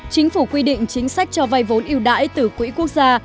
hai chính phủ quy định chính sách cho vay vốn yêu đáy từ quỹ quốc gia